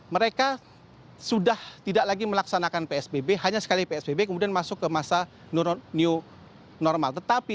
mereka sudah tidak lagi melaksanakan psbb hanya sekali psbb kemudian masuk ke masa new normal